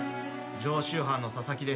常習犯の佐々木です。